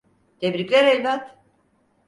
Tebrikler evlat.